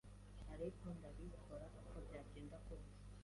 ariko ndabikora uko byagenda kose.